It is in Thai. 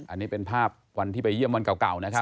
อันนี้เป็นภาพวันที่ไปเยี่ยมวันเก่านะครับ